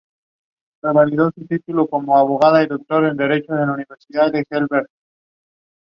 Former England international Lydia Greenway is the player-coach of the side.